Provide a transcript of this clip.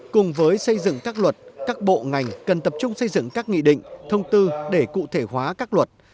cùng với xây dựng các luật các bộ ngành cần tập trung xây dựng các nghị định thông tư để cụ thể hóa các luật